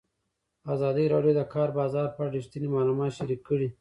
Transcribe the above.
ازادي راډیو د د کار بازار په اړه رښتیني معلومات شریک کړي.